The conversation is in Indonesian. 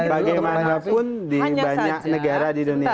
bagaimanapun di banyak negara di indonesia